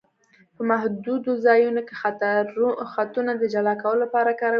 په محدودو ځایونو کې خطونه د جلا کولو لپاره کارول کیږي